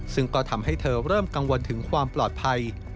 ซึ่งก็ทำให้เธอเริ่มกังวลถึงความปลอดภัย